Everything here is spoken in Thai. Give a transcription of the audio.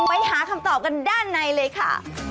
ไปหาคำตอบกันด้านในเลยค่ะ